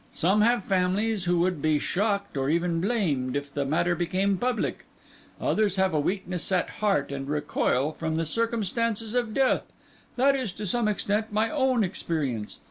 Some have families who would be shocked, or even blamed, if the matter became public; others have a weakness at heart and recoil from the circumstances of death. That is, to some extent, my own experience.